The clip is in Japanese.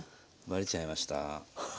ばれちゃいました？